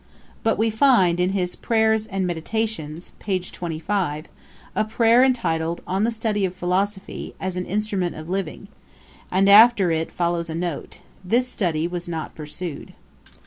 But we find in his Prayers and Meditations, p. 25, a prayer entitled 'On the Study of Philosophy, as an Instrument of living;' and after it follows a note, 'This study was not pursued.'